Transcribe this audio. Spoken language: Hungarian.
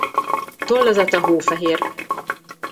Tollazata hófehér.